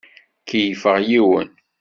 Keyyfeɣ yiwen.